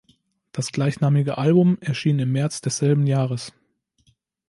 Das gleichnamige Album erschien im März desselben Jahres.